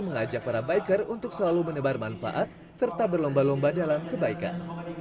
mengajak para biker untuk selalu menebar manfaat serta berlomba lomba dalam kebaikan